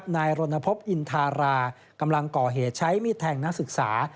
นายรณพบอินทารากำลังก่อเหตุใช้มีดแทงนักศึกษา